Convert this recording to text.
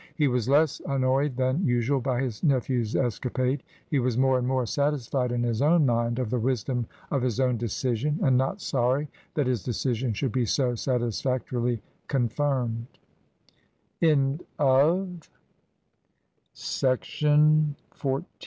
He was less annoyed than usual by his nephew's escapade. He was more and more satisfied in his own mind of the wisdom of his own decision , and not sorry that his decision should be so satisfactorily con firm